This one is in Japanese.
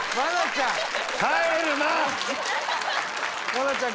愛菜ちゃん！